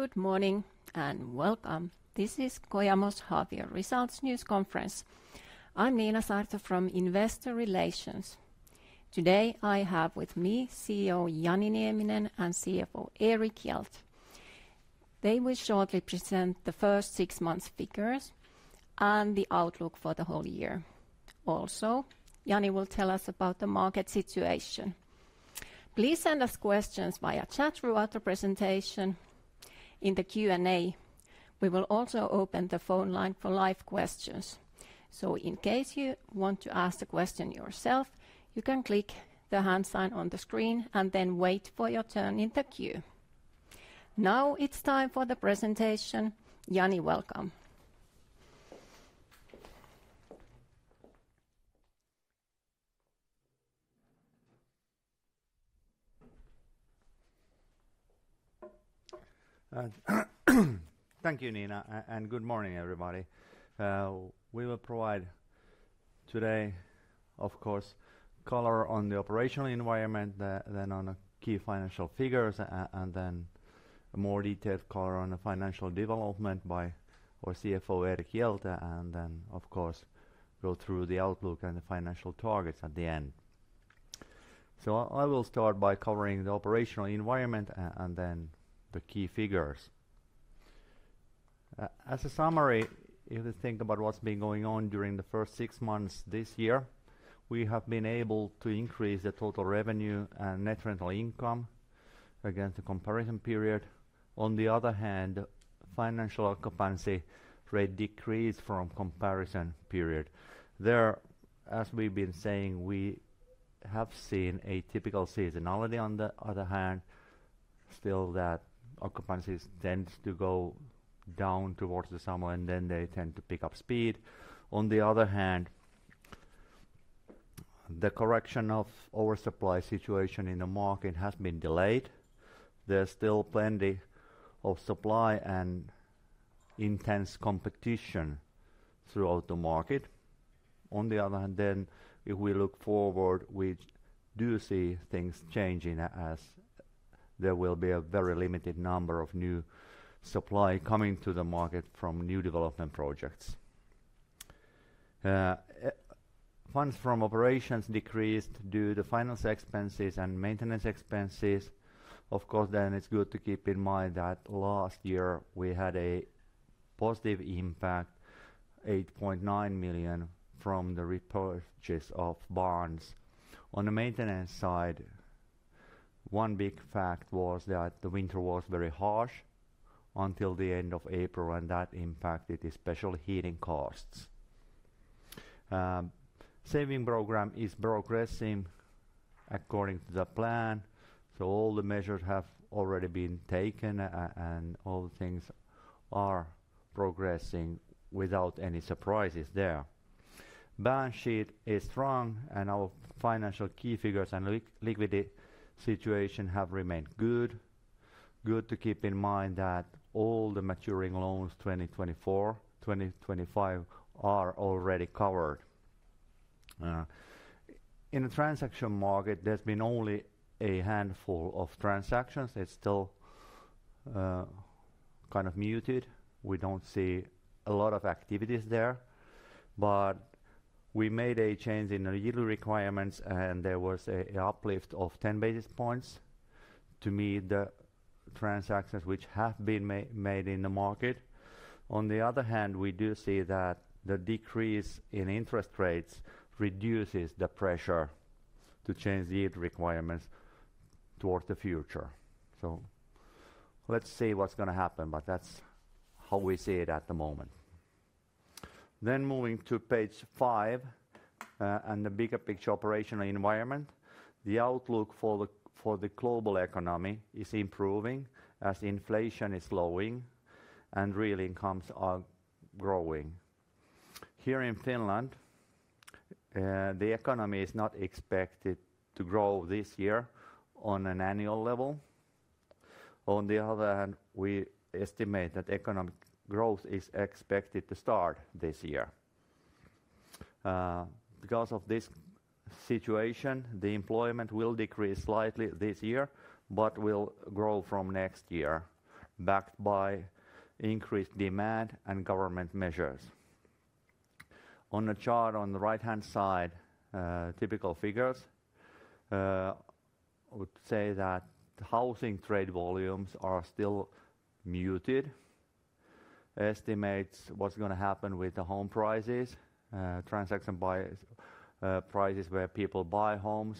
Good morning, and welcome. This is Kojamo's half-year results news conference. I'm Niina Saarto from Investor Relations. Today, I have with me CEO Jani Nieminen and CFO Erik Hjelt. They will shortly present the first six months figures and the outlook for the whole year. Also, Jani will tell us about the market situation. Please send us questions via chat throughout the presentation in the Q&A. We will also open the phone line for live questions. In case you want to ask a question yourself, you can click the hand sign on the screen and then wait for your turn in the queue. Now, it's time for the presentation. Jani, welcome. Thank you, Niina, and good morning, everybody. We will provide today, of course, color on the operational environment, then on the key financial figures, and then more detailed color on the financial development by our CFO, Erik Hjelt, and then, of course, go through the outlook and the financial targets at the end. So I will start by covering the operational environment and then the key figures. As a summary, if you think about what's been going on during the first six months this year, we have been able to increase the total revenue and net rental income against the comparison period. On the other hand, financial occupancy rate decreased from comparison period. There, as we've been saying, we have seen a typical seasonality on the other hand, still, that occupancies tends to go down towards the summer, and then they tend to pick up speed. On the other hand, the correction of oversupply situation in the market has been delayed. There's still plenty of supply and intense competition throughout the market. On the other hand, then, if we look forward, we do see things changing as there will be a very limited number of new supply coming to the market from new development projects. Funds from operations decreased due to finance expenses and maintenance expenses. Of course, then it's good to keep in mind that last year we had a positive impact, 8.9 million, from the repurchase of bonds. On the maintenance side, one big fact was that the winter was very harsh until the end of April, and that impacted especially heating costs. Saving program is progressing according to the plan, so all the measures have already been taken and all things are progressing without any surprises there. Balance sheet is strong, and our financial key figures and liquidity situation have remained good. Good to keep in mind that all the maturing loans, 2024, 2025, are already covered. In the transaction market, there's been only a handful of transactions. It's still kind of muted. We don't see a lot of activities there, but we made a change in the yield requirements, and there was a uplift of 10 basis points to meet the transactions which have been made in the market. On the other hand, we do see that the decrease in interest rates reduces the pressure to change the yield requirements towards the future. So let's see what's gonna happen, but that's how we see it at the moment. Then moving to page 5, and the bigger picture operational environment, the outlook for the global economy is improving as inflation is slowing and real incomes are growing. Here in Finland, the economy is not expected to grow this year on an annual level. On the other hand, we estimate that economic growth is expected to start this year. Because of this situation, the employment will decrease slightly this year, but will grow from next year, backed by increased demand and government measures. On the chart on the right-hand side, typical figures, I would say that housing trade volumes are still muted. Estimates what's gonna happen with the home prices, transaction buyers prices, where people buy homes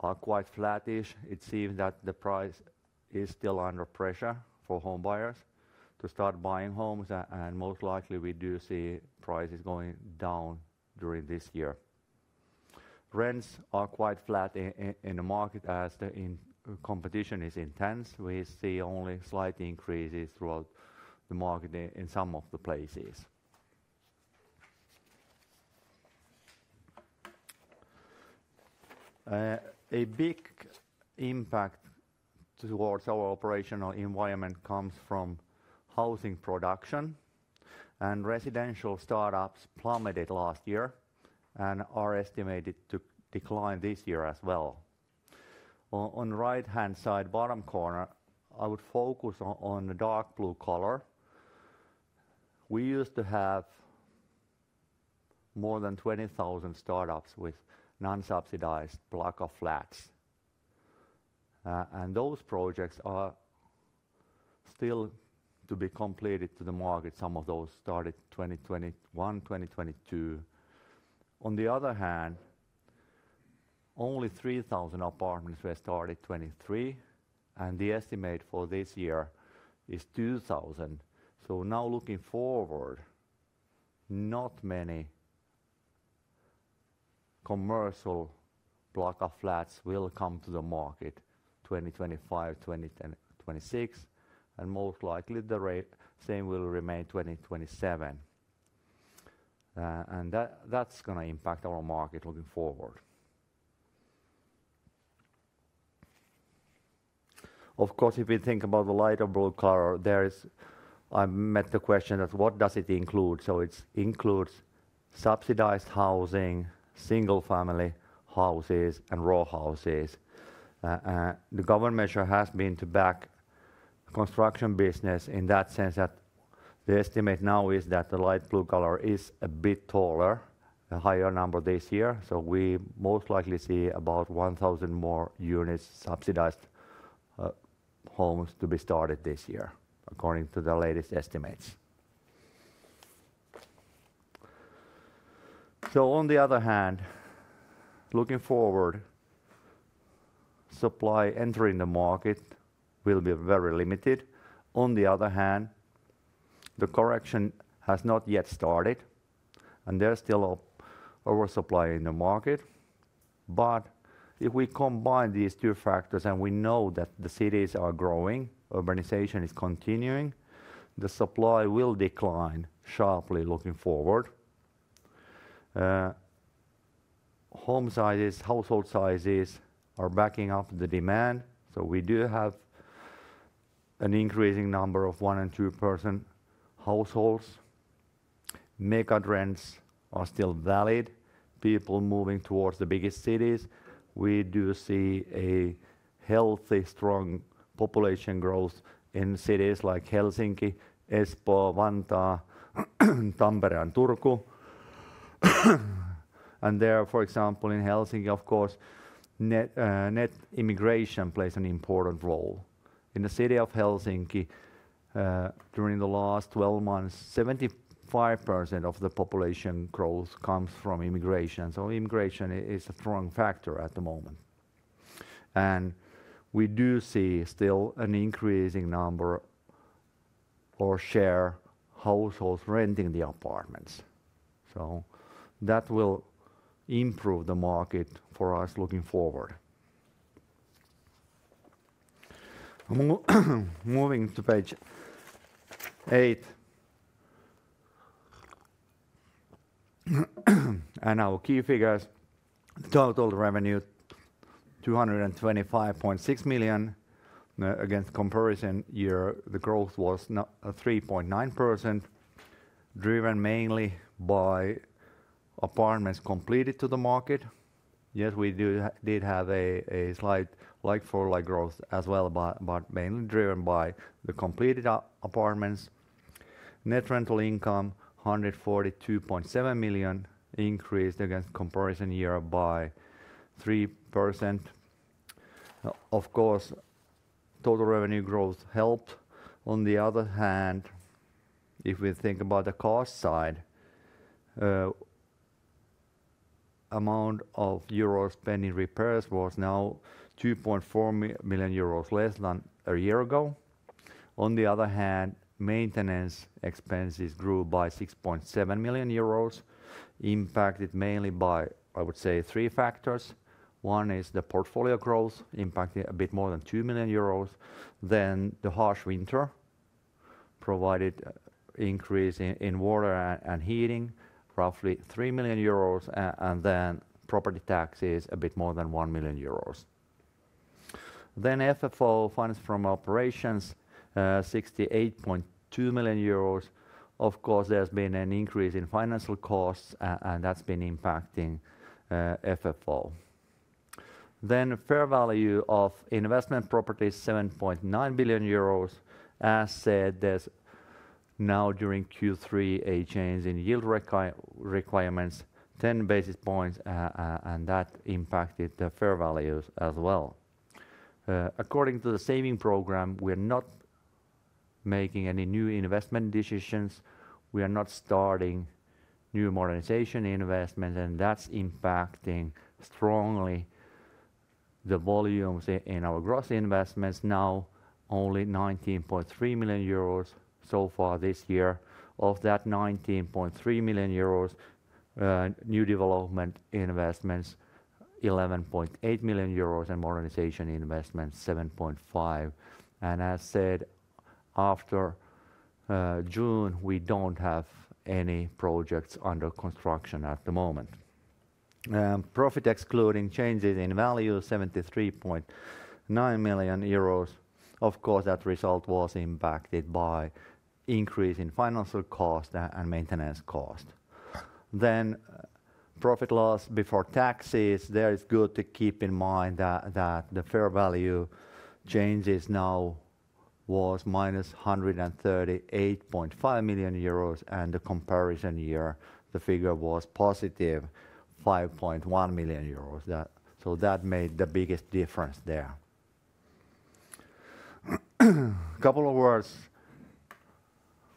are quite flattish. It seems that the price is still under pressure for home buyers to start buying homes, and most likely we do see prices going down during this year. Rents are quite flat in the market as the competition is intense. We see only slight increases throughout the market in some of the places. A big impact towards our operational environment comes from housing production, and residential startups plummeted last year, and are estimated to decline this year as well. On the right-hand side, bottom corner, I would focus on the dark blue color. We used to have more than 20,000 startups with non-subsidized block of flats. And those projects are still to be completed to the market. Some of those started 2021, 2022. On the other hand, only 3,000 apartments were started 2023, and the estimate for this year is 2,000. So now looking forward, not many commercial block of flats will come to the market, 2025, 2026, and most likely the rate, same will remain 2027. And that, that's going to impact our market looking forward. Of course, if we think about the lighter blue color, there is—I get the question of what does it include? So it includes subsidized housing, single-family houses, and row houses. The government measure has been to back construction business in that sense that the estimate now is that the light blue color is a bit taller, a higher number this year, so we most likely see about 1,000 more units, subsidized, homes to be started this year, according to the latest estimates. So on the other hand, looking forward, supply entering the market will be very limited. On the other hand, the correction has not yet started, and there's still an oversupply in the market. But if we combine these two factors, and we know that the cities are growing, urbanization is continuing, the supply will decline sharply looking forward. Home sizes, household sizes are backing up the demand, so we do have an increasing number of one- and two-person households. Megatrends are still valid, people moving towards the biggest cities. We do see a healthy, strong population growth in cities like Helsinki, Espoo, Vantaa, Tampere and Turku. There, for example, in Helsinki, of course, net immigration plays an important role. In the city of Helsinki, during the last 12 months, 75% of the population growth comes from immigration, so immigration is a strong factor at the moment. And we do see still an increasing number or share households renting the apartments, so that will improve the market for us looking forward. Moving to page 8. Our key figures, total revenue, 225.6 million. Against comparison year, the growth was 3.9%, driven mainly by apartments completed to the market. Yes, we did have a slight like-for-like growth as well, but mainly driven by the completed apartments. Net rental income, 142.7 million, increased against comparison year by 3%. Of course, total revenue growth helped. On the other hand, if we think about the cost side, amount of euro spending repairs was now 2.4 million euros less than a year ago. On the other hand, maintenance expenses grew by 6.7 million euros, impacted mainly by, I would say, three factors. One is the portfolio growth, impacting a bit more than 2 million euros. Then the harsh winter provided increase in water and heating, roughly 3 million euros, and then property taxes, a bit more than 1 million euros. Then FFO, funds from operations, 68.2 million euros. Of course, there's been an increase in financial costs, and that's been impacting FFO. Fair value of investment properties, 7.9 billion euros. As said, there's now, during Q3, a change in yield requirements, 10 basis points, and that impacted the fair values as well. According to the saving program, we're not making any new investment decisions. We are not starting new modernization investment, and that's impacting strongly the volumes in our gross investments, now only 19.3 million euros so far this year. Of that 19.3 million euros, new development investments, 11.8 million euros, and modernization investments, seven point five. And as said, after June, we don't have any projects under construction at the moment. Profit excluding changes in value, 73.9 million euros. Of course, that result was impacted by increase in financial cost and maintenance cost. Then, profit loss before taxes, there it's good to keep in mind that the fair value changes now was -138.5 million euros, and the comparison year, the figure was +5.1 million euros. That. So that made the biggest difference there. Couple of words,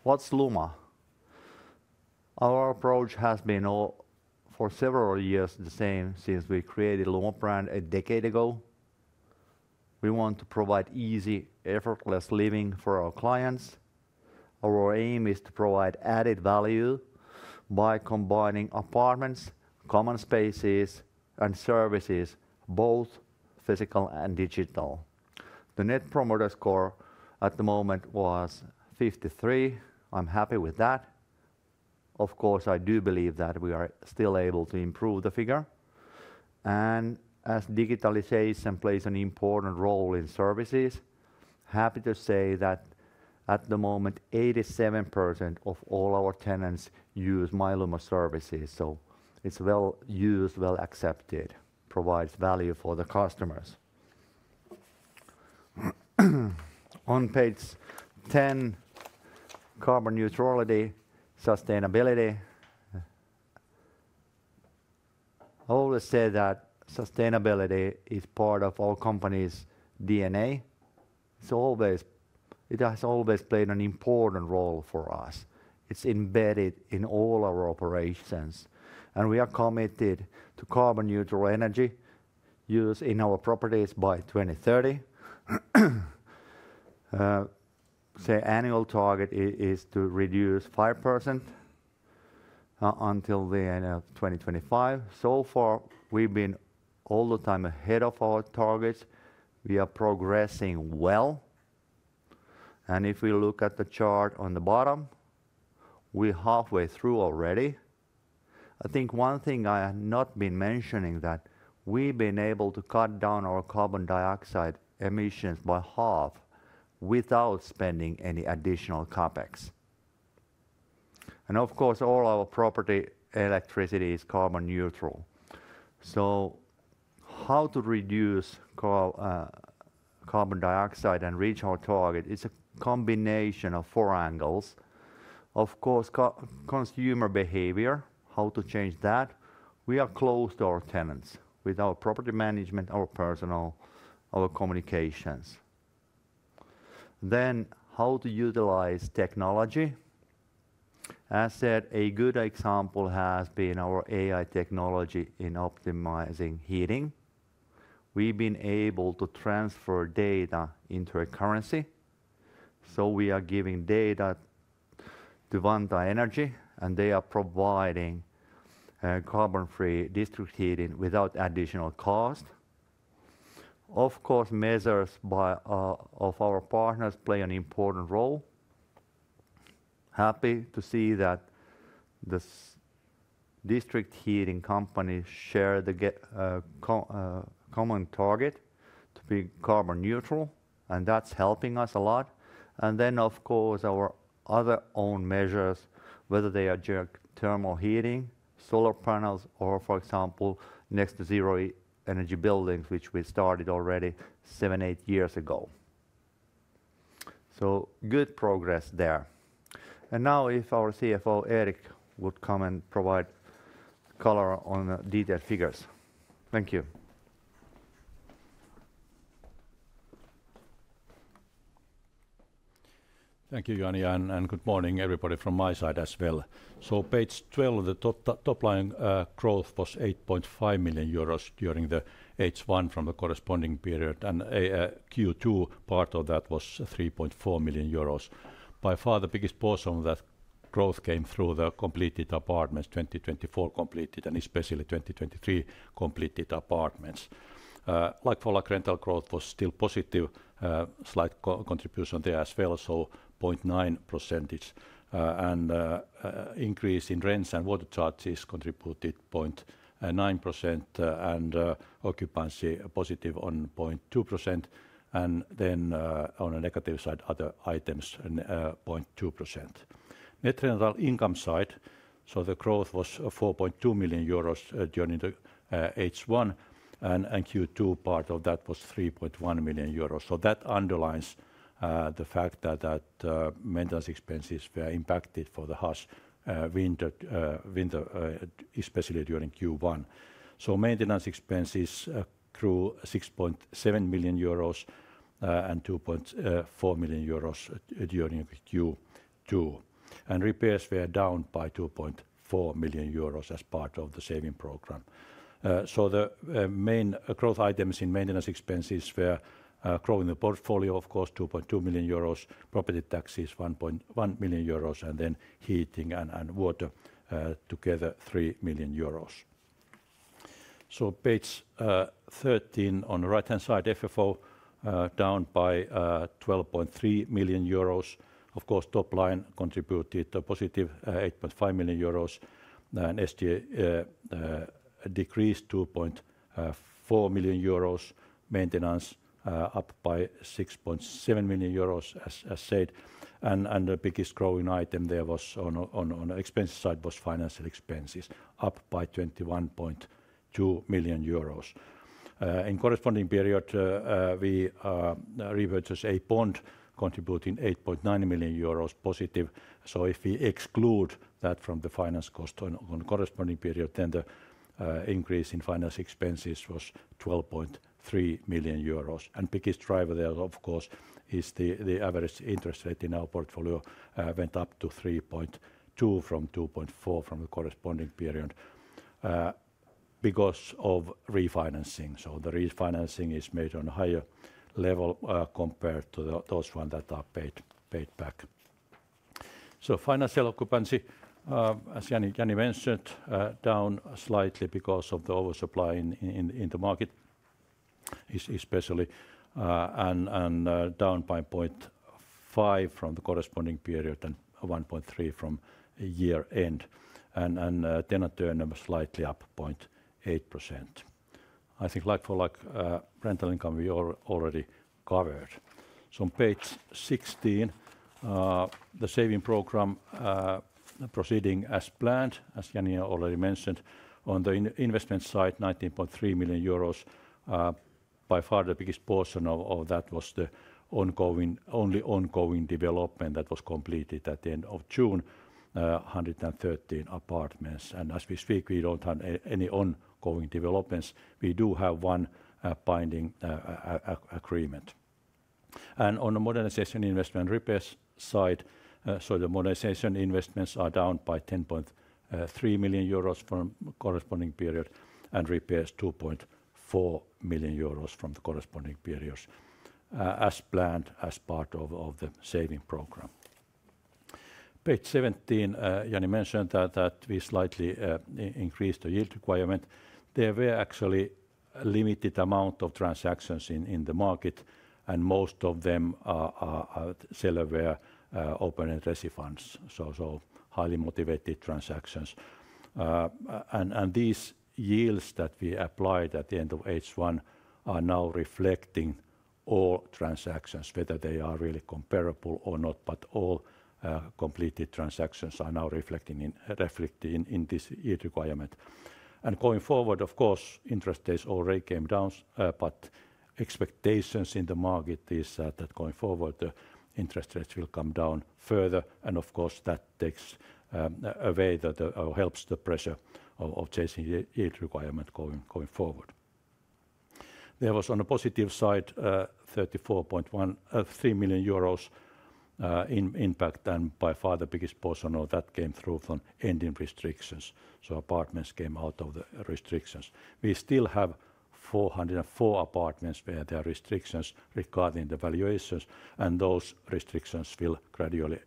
what's Lumo? Our approach has been all, for several years the same since we created Lumo brand a decade ago. We want to provide easy, effortless living for our clients. Our aim is to provide added value by combining apartments, common spaces, and services, both physical and digital. The Net Promoter Score at the moment was 53. I'm happy with that. Of course, I do believe that we are still able to improve the figure. As digitalization plays an important role in services, happy to say that at the moment, 87% of all our tenants use My Lumo services, so it's well used, well accepted, provides value for the customers. On page 10, carbon neutrality, sustainability. I always say that sustainability is part of our company's DNA, so it has always played an important role for us. It's embedded in all our operations, and we are committed to carbon neutral energy use in our properties by 2030. The annual target is to reduce 5%, until the end of 2025. So far, we've been all the time ahead of our targets. We are progressing well, and if we look at the chart on the bottom, we're halfway through already. I think one thing I have not been mentioning, that we've been able to cut down our carbon dioxide emissions by half without spending any additional CapEx. And of course, all our property electricity is carbon neutral. So how to reduce carbon dioxide and reach our target is a combination of four angles. Of course, consumer behavior, how to change that? We are close to our tenants with our property management, our personal, our communications. Then, how to utilize technology. As said, a good example has been our AI technology in optimizing heating. We've been able to transfer data into a currency, so we are giving data to Vantaa Energy, and they are providing carbon-free district heating without additional cost. Of course, measures by our partners play an important role. Happy to see that this district heating company shares the common target to be carbon neutral, and that's helping us a lot. Then, of course, our other own measures, whether they are geothermal heating, solar panels, or for example, net zero energy buildings, which we started already 7, 8 years ago. So good progress there. Now, if our CFO, Erik, would come and provide color on the detailed figures. Thank you. Thank you, Jani, and good morning, everybody, from my side as well. So page 12, the top line growth was 8.5 million euros during the H1 from the corresponding period, and a Q2 part of that was 3.4 million euros. By far, the biggest portion of that growth came through the completed apartments, 2024 completed, and especially 2023 completed apartments. Like-for-like rental growth was still positive, slight contribution there as well, so 0.9%. And increase in rents and water charges contributed 0.9%, and occupancy positive on 0.2%. And then, on a negative side, other items and -0.2%. Net rental income side, so the growth was 4.2 million euros during the H1, and Q2 part of that was 3.1 million euros. So that underlines the fact that maintenance expenses were impacted for the harsh winter especially during Q1. So maintenance expenses grew 6.7 million euros and 2.4 million during Q2, and repairs were down by 2.4 million euros as part of the saving program. So the main growth items in maintenance expenses were growing the portfolio, of course, 2.2 million euros, property taxes, 1.1 million euros, and then heating and water together, 3 million euros. So page 13 on the right-hand side, FFO down by 12.3 million euros. Of course, top line contributed a positive 8.5 million euros, and SG&A decreased 2.4 million euros. Maintenance up by 6.7 million euros, as said, and the biggest growing item there was on the expense side was financial expenses, up by 21.2 million euros. In corresponding period, we repurchase a bond contributing 8.9 million euros positive. So if we exclude that from the finance cost on the corresponding period, then the increase in finance expenses was 12.3 million euros. And biggest driver there, of course, is the average interest rate in our portfolio went up to 3.2 from 2.4 from the corresponding period because of refinancing. So the refinancing is made on a higher level compared to the those one that are paid back. So financial occupancy, as Jani mentioned, down slightly because of the oversupply in the market, especially, and down by 0.5 from the corresponding period and 1.3 from year end. And tenant turn number slightly up 0.8%. I think like-for-like rental income, we already covered. So on page 16, the saving program proceeding as planned, as Jani already mentioned. On the investment side, 19.3 million euros. By far the biggest portion of that was the ongoing, only ongoing development that was completed at the end of June, 113 apartments. And as we speak, we don't have any ongoing developments. We do have one binding agreement. And on the modernization investment repairs side, so the modernization investments are down by 10.3 million euros from corresponding period, and repairs, 2.4 million euros from the corresponding periods, as planned as part of the saving program. Page 17, Jani mentioned that we slightly increased the yield requirement. There were actually a limited amount of transactions in the market, and most of them are seller were open-ended funds, so highly motivated transactions. These yields that we applied at the end of H1 are now reflecting all transactions, whether they are really comparable or not, but all completed transactions are now reflecting in this yield requirement. Going forward, of course, interest rates already came down, but expectations in the market is that going forward, the interest rates will come down further, and of course, that takes a way that or helps the pressure of chasing the yield requirement going forward. There was, on a positive side, 34.13 million euros in impact, and by far the biggest portion of that came through from ending restrictions, so apartments came out of the restrictions. We still have 404 apartments where there are restrictions regarding the valuations, and those restrictions will gradually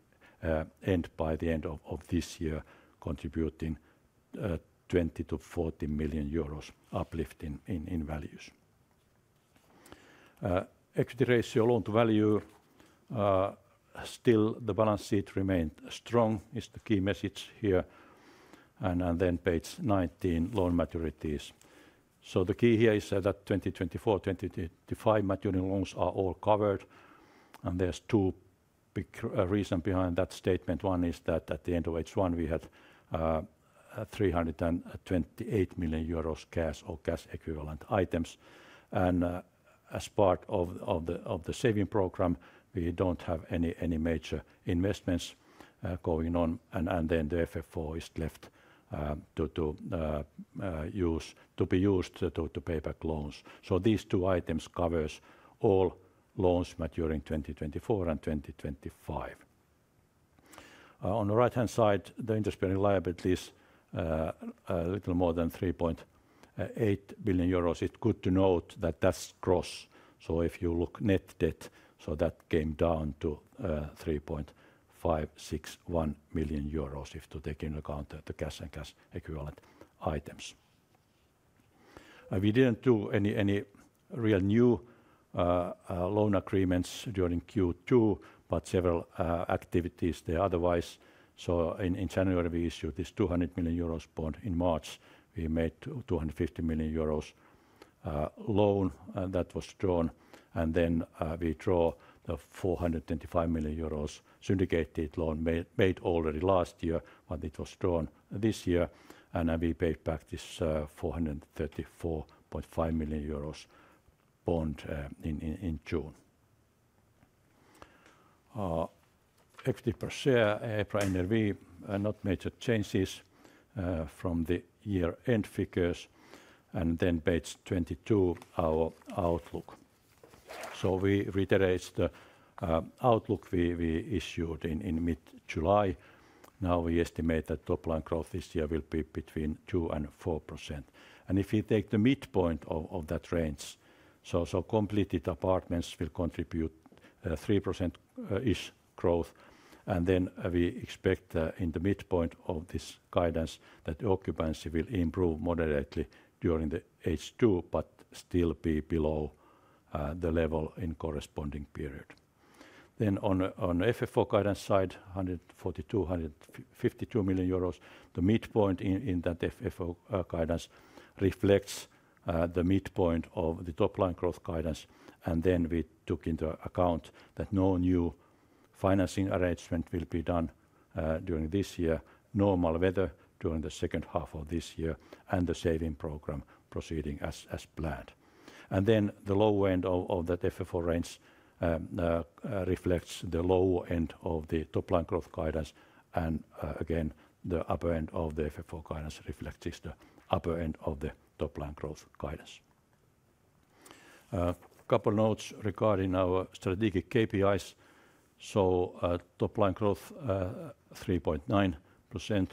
end by the end of this year, contributing 20-40 million euros uplift in values. Equity ratio, loan to value, still the balance sheet remained strong, is the key message here. Then page 19, loan maturities. So the key here is that 2024, 2025 maturity loans are all covered, and there's two big reason behind that statement. One is that at the end of H1, we had 328 million euros cash or cash-equivalent items. As part of the saving program, we don't have any major investments going on, and then the FFO is left to be used to pay back loans. So these two items covers all loans maturing 2024 and 2025. On the right-hand side, the interest-bearing liabilities, a little more than 3.8 billion euros. It's good to note that that's gross. So if you look net debt, so that came down to 3.561 million euros, if to take into account the cash and cash equivalent items. We didn't do any real new loan agreements during Q2, but several activities otherwise. So in January, we issued this 200 million euros bond. In March, we made 250 million euros loan, and that was drawn. And then, we draw the 450 million euros syndicated loan made already last year, but it was drawn this year, and we paid back this 434.5 million euros bond in June. Equity per share EPRA NRV not major changes from the year-end figures. And then page 22, our outlook. So we reiterate the outlook we issued in mid-July. Now, we estimate that top-line growth this year will be between 2% and 4%. And if you take the midpoint of that range, so completed apartments will contribute-... 3%-ish growth, and then we expect in the midpoint of this guidance that occupancy will improve moderately during the H2, but still be below the level in corresponding period. Then on FFO guidance side, 142 million-152 million euros. The midpoint in that FFO guidance reflects the midpoint of the top-line growth guidance, and then we took into account that no new financing arrangement will be done during this year, normal weather during the second half of this year, and the saving program proceeding as planned. And then the low end of that FFO range reflects the low end of the top-line growth guidance, and again, the upper end of the FFO guidance reflects the upper end of the top-line growth guidance. Couple notes regarding our strategic KPIs. So, top-line growth, 3.9%.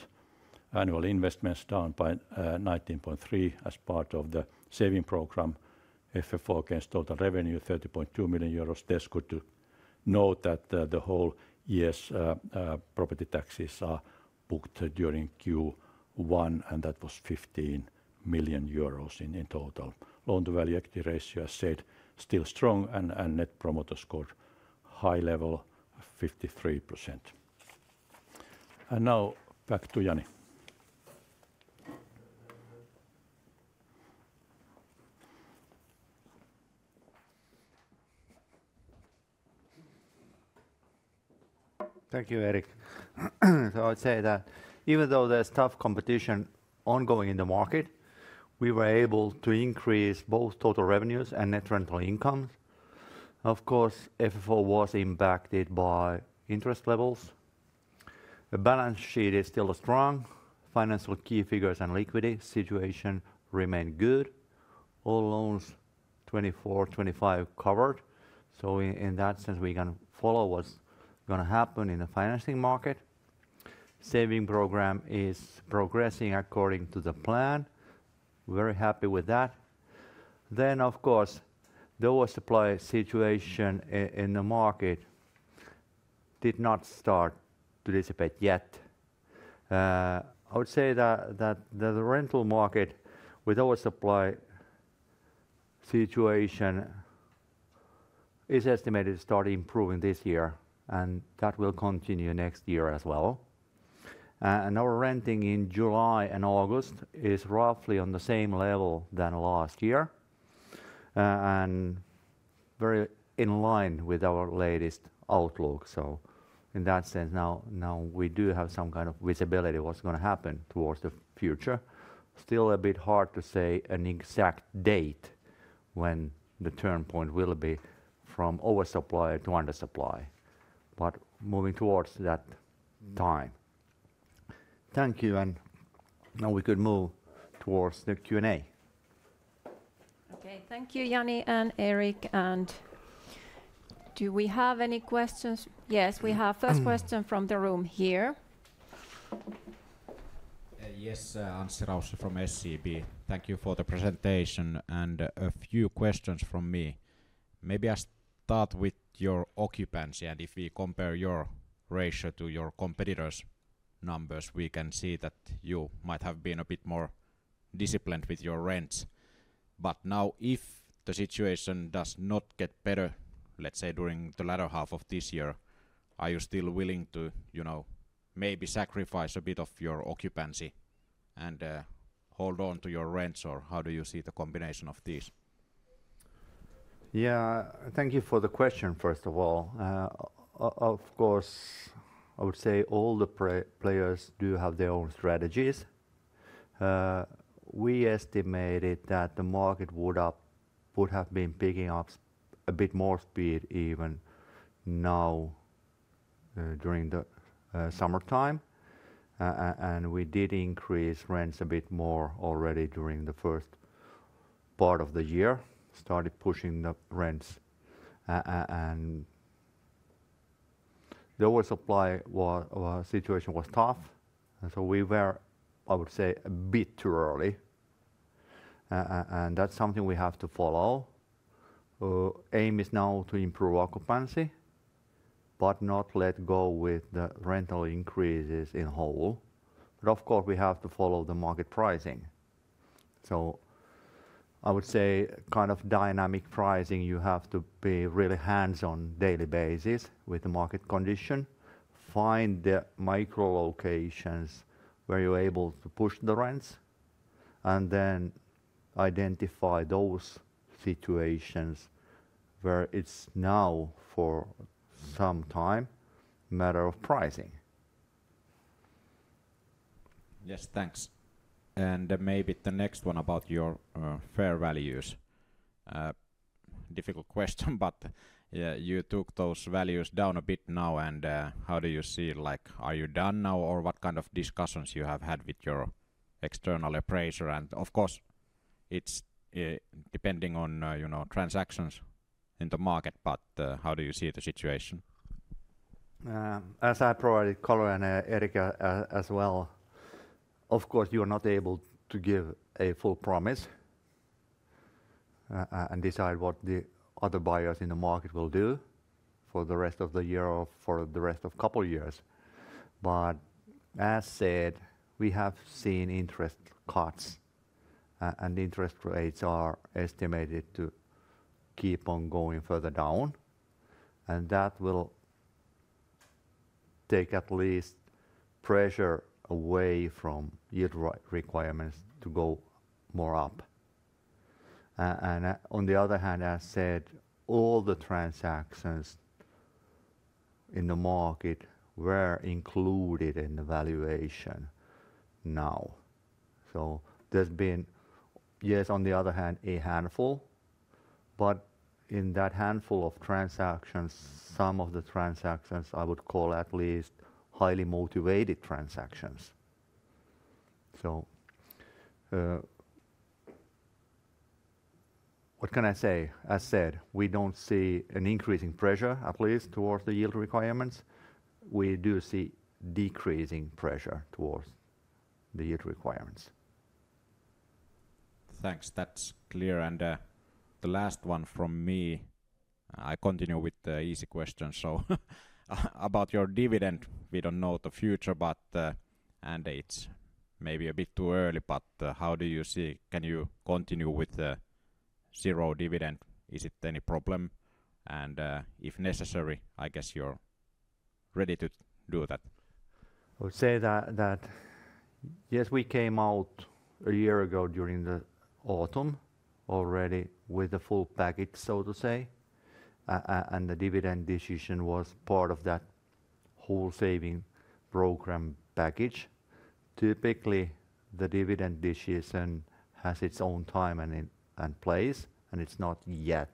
Annual investments down by 19.3 as part of the saving program. FFO against total revenue, 30.2 million euros. It's good to note that the whole year's property taxes are booked during Q1, and that was 15 million euros in total. Loan-to-value equity ratio, I said, still strong, and Net Promoter Score, high level, 53%. And now back to Jani. Thank you, Erik. So I would say that even though there's tough competition ongoing in the market, we were able to increase both total revenues and net rental income. Of course, FFO was impacted by interest levels. The balance sheet is still strong. Financial key figures and liquidity situation remain good. All loans, 2024, 2025 covered, so in that sense, we can follow what's gonna happen in the financing market. Saving program is progressing according to the plan. Very happy with that. Then, of course, the oversupply situation in the market did not start to dissipate yet. I would say that the rental market, with our supply situation, is estimated to start improving this year, and that will continue next year as well. And our renting in July and August is roughly on the same level than last year, and very in line with our latest outlook. So in that sense, now, now we do have some kind of visibility what's gonna happen towards the future. Still a bit hard to say an exact date when the turning point will be from oversupply to undersupply, but moving towards that time. Thank you, and now we could move towards the Q&A. Okay. Thank you, Jani and Erik, and do we have any questions? Yes, we have. First question from the room here. Yes, Anssi Rausio from SEB. Thank you for the presentation, and a few questions from me. Maybe I start with your occupancy, and if we compare your ratio to your competitors' numbers, we can see that you might have been a bit more disciplined with your rents. But now, if the situation does not get better, let's say, during the latter half of this year, are you still willing to, you know, maybe sacrifice a bit of your occupancy and hold on to your rents, or how do you see the combination of these? Yeah. Thank you for the question, first of all. Of course, I would say all the players do have their own strategies. We estimated that the market would have been picking up a bit more speed even now during the summertime. And we did increase rents a bit more already during the first part of the year, started pushing the rents. And the oversupply situation was tough, and so we were, I would say, a bit too early, and that's something we have to follow. Aim is now to improve occupancy, but not let go with the rental increases in whole. But of course, we have to follow the market pricing. So, I would say kind of dynamic pricing. You have to be really hands-on daily basis with the market condition, find the micro locations where you're able to push the rents, and then identify those situations where it's now, for some time, matter of pricing. Yes, thanks. And maybe the next one about your fair values. Difficult question, but you took those values down a bit now, and how do you see, like, are you done now, or what kind of discussions you have had with your external appraiser? And of course, it's depending on you know, transactions in the market, but how do you see the situation? As I provided color and, Erik, as well, of course, you are not able to give a full promise and decide what the other buyers in the market will do for the rest of the year or for the rest of couple years. But as said, we have seen interest cuts and interest rates are estimated to keep on going further down, and that will take at least pressure away from yield requirements to go more up. And on the other hand, I said all the transactions in the market were included in the valuation now. So there's been, yes, on the other hand, a handful, but in that handful of transactions, some of the transactions I would call at least highly motivated transactions. So, what can I say? I said, we don't see an increasing pressure, at least towards the yield requirements. We do see decreasing pressure towards the yield requirements. Thanks. That's clear. The last one from me, I continue with the easy question. About your dividend, we don't know the future, but and it's maybe a bit too early, but, how do you see, can you continue with the zero dividend? Is it any problem? If necessary, I guess you're ready to do that. I would say that yes, we came out a year ago, during the autumn, already with the full package, so to say. And the dividend decision was part of that whole saving program package. Typically, the dividend decision has its own time and place, and it's not yet.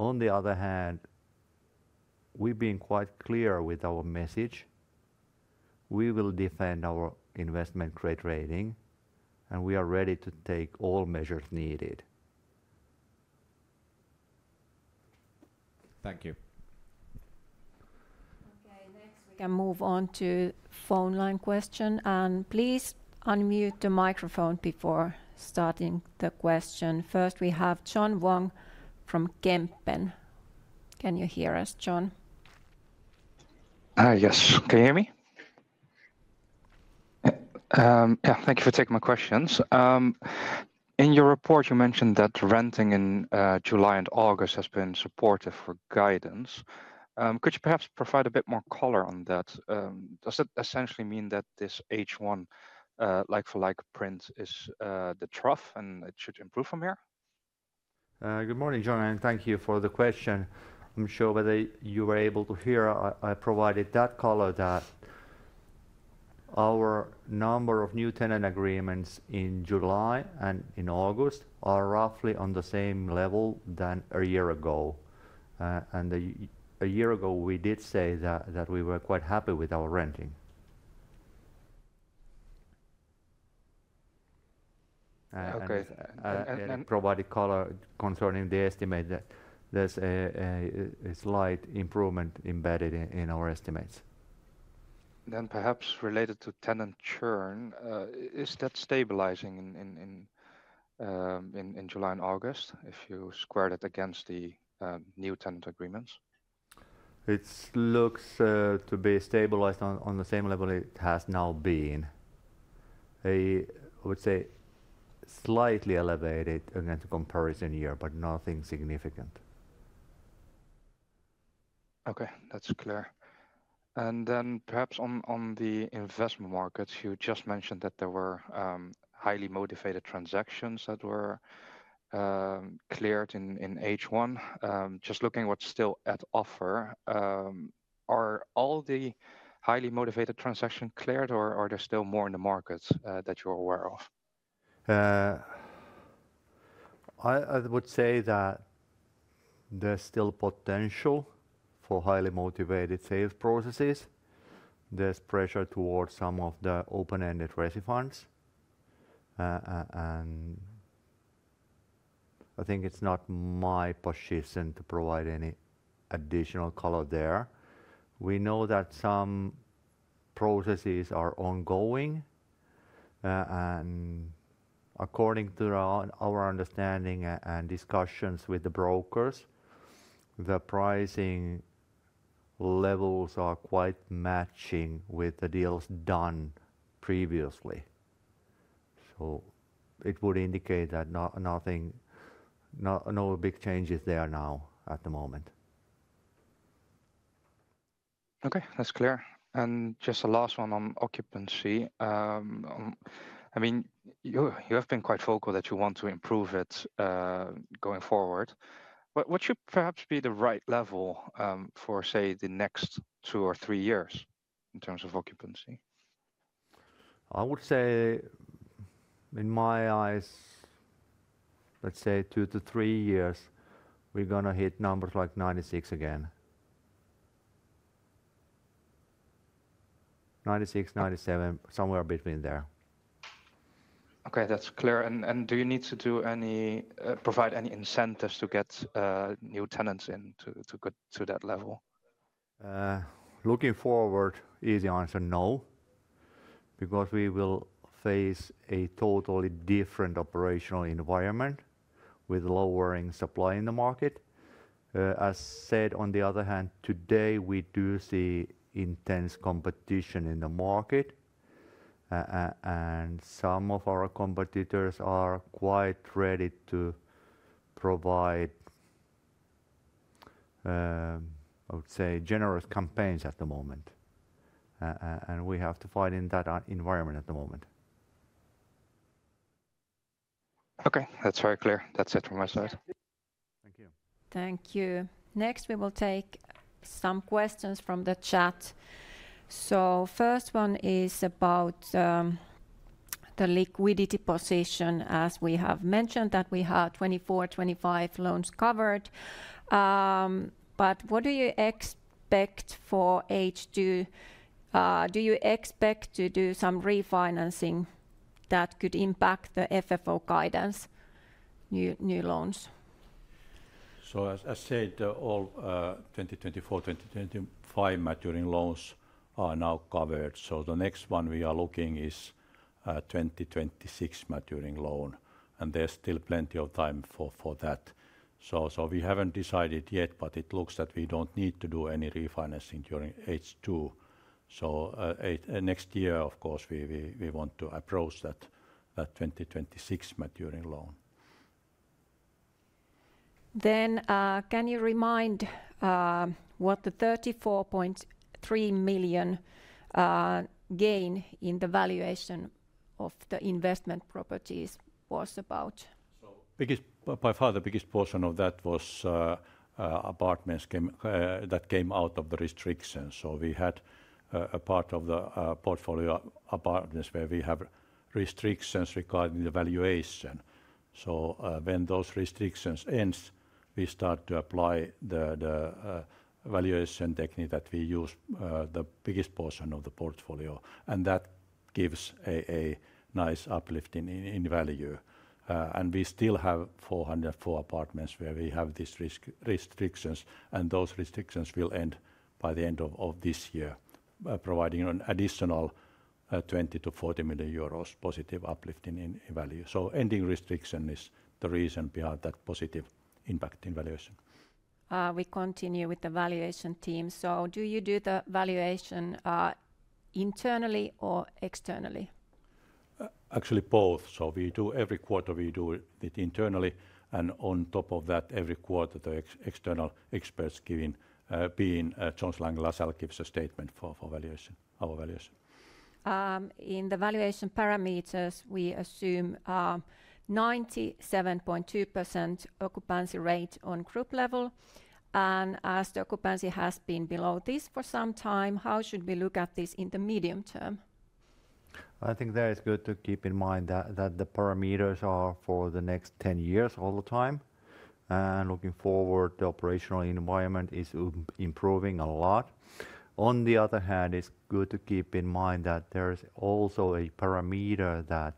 On the other hand, we've been quite clear with our message. We will defend our investment grade rating, and we are ready to take all measures needed. Thank you. Okay, next we can move on to phone line question, and please unmute the microphone before starting the question. First, we have John Vuong from Kempen. Can you hear us, John? Yes. Can you hear me? Yeah, thank you for taking my questions. In your report, you mentioned that renting in July and August has been supportive for guidance. Could you perhaps provide a bit more color on that? Does it essentially mean that this H1 like-for-like print is the trough, and it should improve from here? Good morning, John, and thank you for the question. I'm sure whether you were able to hear, I provided that color, that our number of new tenant agreements in July and in August are roughly on the same level than a year ago. And a year ago, we did say that, that we were quite happy with our renting. Okay. And provided color concerning the estimate that there's a slight improvement embedded in our estimates. Then perhaps related to tenant churn, is that stabilizing in July and August, if you squared it against the new tenant agreements? It looks to be stabilized on the same level it has now been. I would say, slightly elevated against comparison year, but nothing significant. Okay, that's clear. Then perhaps on the investment markets, you just mentioned that there were highly motivated transactions that were cleared in H1. Just looking what's still on offer, are all the highly motivated transaction cleared, or are there still more in the markets that you're aware of? I would say that there's still potential for highly motivated sales processes. There's pressure towards some of the open-ended funds. I think it's not my position to provide any additional color there. We know that some processes are ongoing, and according to our understanding and discussions with the brokers, the pricing levels are quite matching with the deals done previously. So it would indicate that no big changes there now at the moment. Okay, that's clear. Just the last one on occupancy. I mean, you, you have been quite vocal that you want to improve it, going forward, but what should perhaps be the right level, for, say, the next two or three years in terms of occupancy? I would say, in my eyes, let's say 2-3 years, we're gonna hit numbers like 96 again.... 96, 97, somewhere between there. Okay, that's clear. And do you need to provide any incentives to get new tenants in to get to that level? Looking forward, easy answer, no, because we will face a totally different operational environment with lowering supply in the market. As said, on the other hand, today, we do see intense competition in the market, and some of our competitors are quite ready to provide, I would say, generous campaigns at the moment. And we have to fight in that environment at the moment. Okay, that's very clear. That's it from my side. Thank you. Thank you. Next, we will take some questions from the chat. So first one is about the liquidity position. As we have mentioned, that we have 24, 25 loans covered. But what do you expect for H2? Do you expect to do some refinancing that could impact the FFO guidance, new loans? So as said, all 2024, 2025 maturing loans are now covered, so the next one we are looking is 2026 maturing loan, and there's still plenty of time for that. So we haven't decided yet, but it looks that we don't need to do any refinancing during H2. So, next year, of course, we want to approach that 2026 maturing loan. Then, can you remind what the 34.3 million gain in the valuation of the investment properties was about? So biggest, by far, the biggest portion of that was apartments came that came out of the restrictions. So we had a part of the portfolio apartments where we have restrictions regarding the valuation. So, when those restrictions ends, we start to apply the valuation technique that we use the biggest portion of the portfolio, and that gives a nice uplift in value. And we still have 404 apartments where we have these risk restrictions, and those restrictions will end by the end of this year, providing an additional 20-40 million euros positive uplift in value. So ending restriction is the reason behind that positive impact in valuation. We continue with the valuation team. So do you do the valuation, internally or externally? Actually, both. So we do every quarter, we do it internally, and on top of that, every quarter, the external experts, being Jones Lang LaSalle, gives a statement for our valuation. In the valuation parameters, we assume 97.2% occupancy rate on group level, and as the occupancy has been below this for some time, how should we look at this in the medium term? I think that it's good to keep in mind that the parameters are for the next 10 years all the time, and looking forward, the operational environment is improving a lot. On the other hand, it's good to keep in mind that there is also a parameter that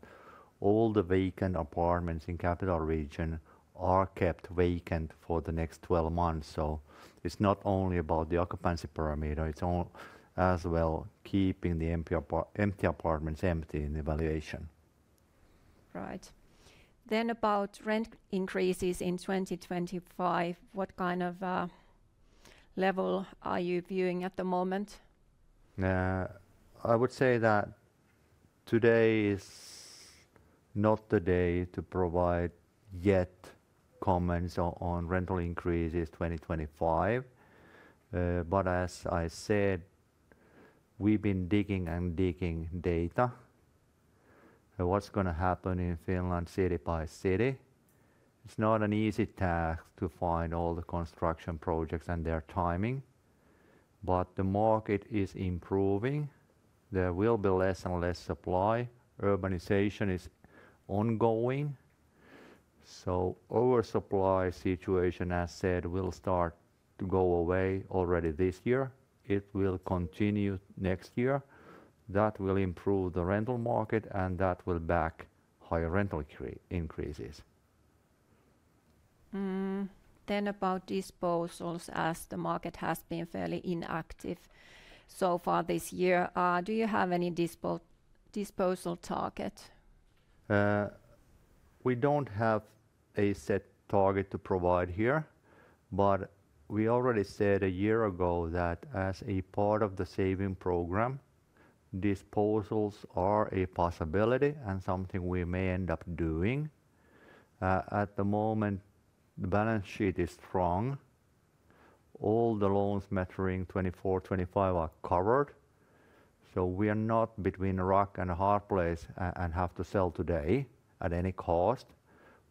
all the vacant apartments in Capital Region are kept vacant for the next 12 months. So it's not only about the occupancy parameter, it's as well, keeping the empty apartments empty in the valuation. Right. Then about rent increases in 2025, what kind of level are you viewing at the moment? I would say that today is not the day to provide yet comments on, on rental increases 2025. But as I said, we've been digging and digging data, and what's gonna happen in Finland, city by city, it's not an easy task to find all the construction projects and their timing, but the market is improving. There will be less and less supply. Urbanization is ongoing, so our supply situation, as said, will start to go away already this year. It will continue next year. That will improve the rental market, and that will back higher rental increases. Mm. Then about disposals, as the market has been fairly inactive so far this year, do you have any disposal target? We don't have a set target to provide here, but we already said a year ago that as a part of the saving program, disposals are a possibility and something we may end up doing. At the moment, the balance sheet is strong. All the loans maturing 2024, 2025 are covered, so we are not between a rock and a hard place and have to sell today at any cost,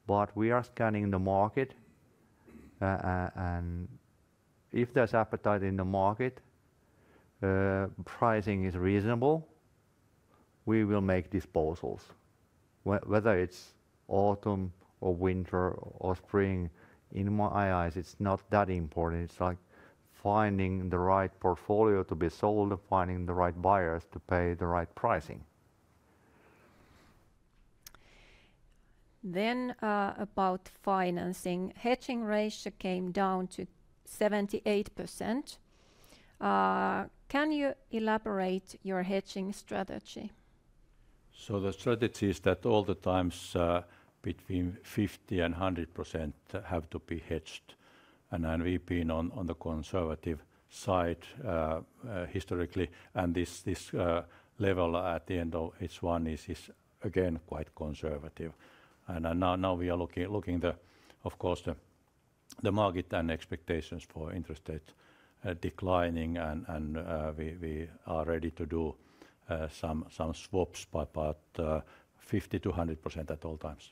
but we are scanning the market. And if there's appetite in the market, pricing is reasonable, we will make disposals. Whether it's autumn or winter or spring, in my eyes, it's not that important. It's like finding the right portfolio to be sold and finding the right buyers to pay the right pricing. Then, about financing. Hedging ratio came down to 78%. Can you elaborate your hedging strategy? So the strategy is that all the times, between 50 and 100% have to be hedged, and then we've been on the conservative side historically, and this level at the end of H1 is again quite conservative. And now we are looking the, of course, the market and expectations for interest rate declining, and we are ready to do some swaps by about 50-100% at all times.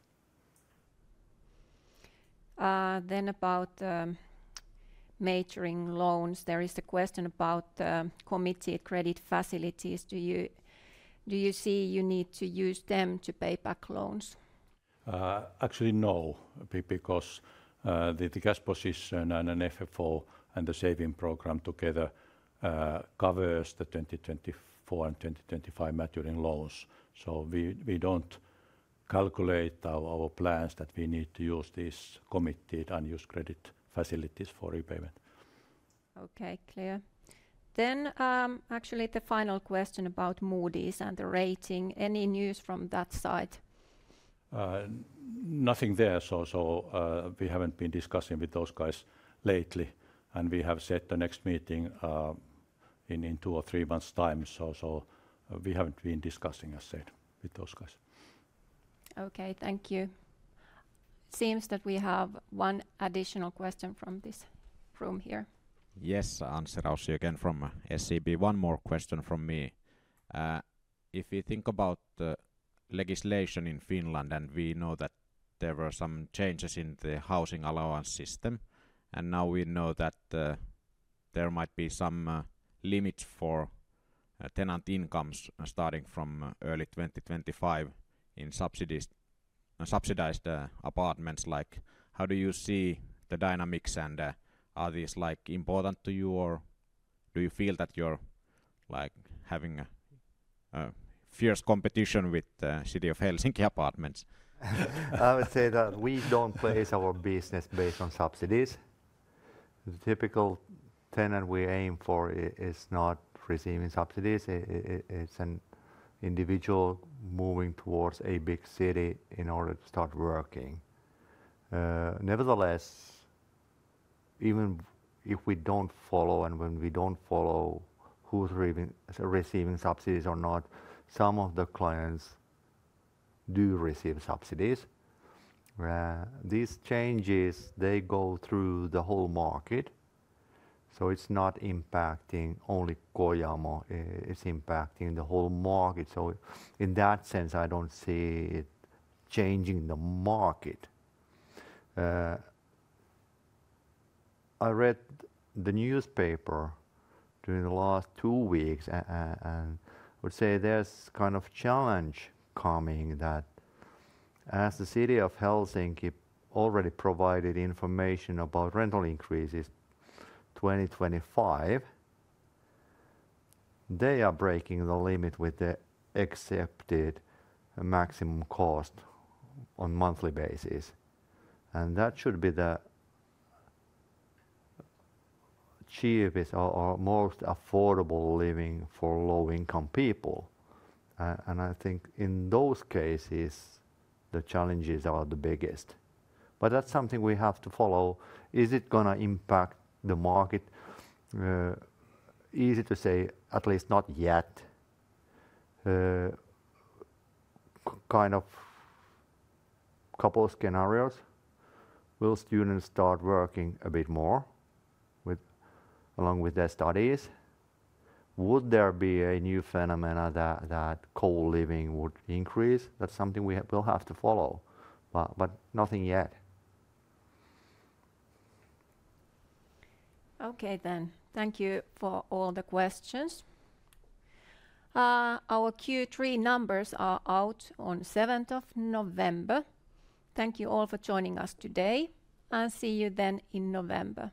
Then about maturing loans. There is a question about committed credit facilities. Do you, do you see you need to use them to pay back loans? Actually, no. Because the cash position and FFO and the saving program together covers the 2024 and 2025 maturing loans. So we don't calculate our plans that we need to use this committed unused credit facilities for repayment. Okay, clear. Then, actually, the final question about Moody's and the rating. Any news from that side? Nothing there. So, we haven't been discussing with those guys lately, and we have set the next meeting in two or three months' time. So, we haven't been discussing, I said, with those guys. Okay, thank you. Seems that we have one additional question from this room here. Yes, Anssi Rausio again from SEB. One more question from me. If you think about the legislation in Finland, and we know that there were some changes in the housing allowance system, and now we know that there might be some limits for tenant incomes starting from early 2025 in subsidized apartments. Like, how do you see the dynamics, and are these like important to you, or do you feel that you're like having a fierce competition with City of Helsinki apartments? I would say that we don't place our business based on subsidies. The typical tenant we aim for is not receiving subsidies. It's an individual moving towards a big city in order to start working. Nevertheless, even if we don't follow, and when we don't follow who's receiving subsidies or not, some of the clients do receive subsidies. These changes, they go through the whole market, so it's not impacting only Kojamo. It's impacting the whole market. So in that sense, I don't see it changing the market. I read the newspaper during the last two weeks and would say there's kind of challenge coming that as the City of Helsinki already provided information about rental increases 2025, they are breaking the limit with the accepted maximum cost on monthly basis, and that should be the cheapest or most affordable living for low-income people. I think in those cases, the challenges are the biggest. But that's something we have to follow. Is it gonna impact the market? Easy to say, at least not yet. Kind of couple of scenarios: Will students start working a bit more with along with their studies? Would there be a new phenomena that co-living would increase? That's something we will have to follow, but nothing yet. Okay, then. Thank you for all the questions. Our Q3 numbers are out on 7th of November. Thank you all for joining us today, and see you then in November.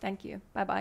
Thank you. Bye-bye.